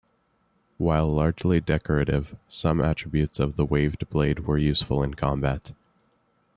While largely decorative, some attributes of the waved blade were useful in combat.